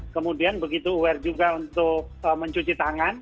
kemudian begitu aware juga untuk mencuci tangan